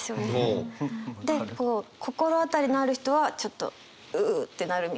でこう心当たりのある人はちょっとううってなるみたい。